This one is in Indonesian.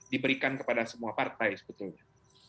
ini kan diberikan kepada semua partai sebetulnya